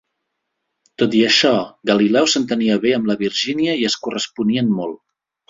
Tot i això, Galileu s"entenia bé amb la Virginia y es corresponien molt.